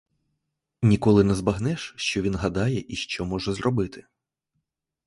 Ніколи не збагнеш, що він гадає і що може зробити.